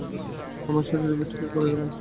আমার শাশুড়ি ফিট হয়ে পড়ে গেলেন।